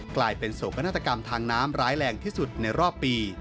กลายเป็นโศกนาฏกรรมทางน้ำร้ายแรงที่สุดในรอบปี